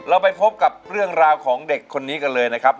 เราไปพบกับเรื่องราวของเด็กคนนี้กันเลยนะครับ